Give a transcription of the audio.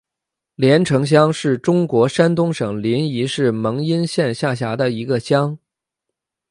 联城乡是中国山东省临沂市蒙阴县下辖的一个乡。